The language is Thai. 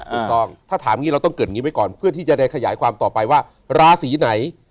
ถูกต้องถ้าถามอย่างนี้เราต้องเกิดอย่างนี้ไว้ก่อนเพื่อที่จะได้ขยายความต่อไปว่าราศีไหน